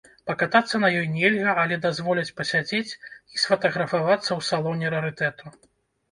Пакатацца на ёй нельга, але дазволяць пасядзець і сфатаграфавацца ў салоне рарытэту.